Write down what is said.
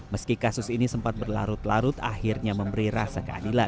meski kasus ini sempat berlarut larut akhirnya memberi rasa keadilan